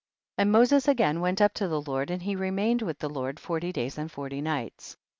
22. And Moses again went up to the Lord, and he remained with the Lord forty days and forty nights. 23.